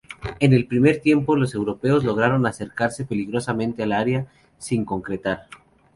En el primer tiempo, los europeos lograron acercarse peligrosamente al área rival sin concretar.